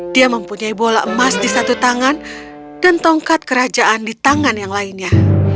dia mempunyai bola emas di satu tangan dan tongkat kerajaan di tangan yang lainnya